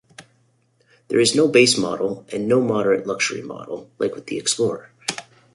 There is no base model and no moderate luxury model, like with the Explorer.